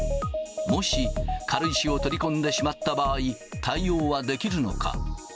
もし軽石を取り込んでしまった場合、対応はできるのか。